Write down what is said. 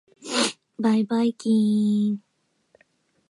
ばいばいきーーーん。